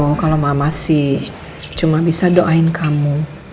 oh kalau mama sih cuma bisa doain kamu